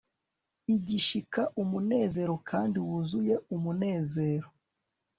igishika, umunezero, kandi wuzuye umunezero